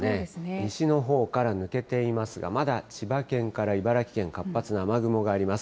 西のほうから抜けていますが、まだ千葉県から茨城県、活発な雨雲があります。